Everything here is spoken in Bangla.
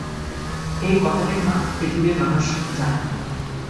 এই কথাটাই পৃথিবীর মানুষ জানে না।